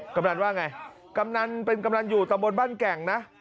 กำนันว่าไงกำนันเป็นกำนันอยู่ตะบนบ้านแก่งนะ